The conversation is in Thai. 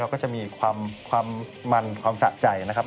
ก็จะมีความมันความสะใจนะครับ